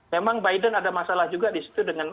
memang biden ada masalah juga di situ dengan